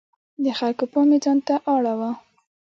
د خلکو پام یې ځانته اړاوه.